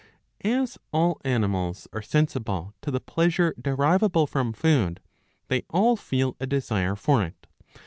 As all animals are sensible to the pleasure derivable from food, they all feel a desire for it.